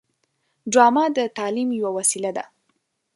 ډرامه د تعلیم یوه وسیله ده